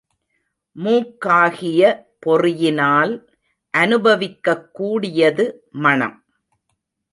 மூக்காகிய பொறியினால் அநுபவிக்கக் கூடியது மணம்.